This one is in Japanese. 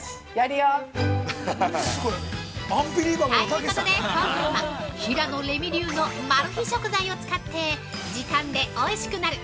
◆ということで、今回は平野レミ流のマル秘食材を使って時短でおいしくなる！